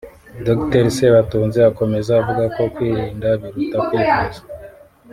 Dr Sebatunzi akomeza avuga ko kwirinda biruta kwivuza